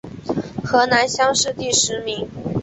河南乡试第十名。